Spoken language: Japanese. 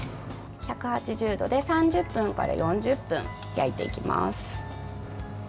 １８０度で３０分から４０分焼いていきます。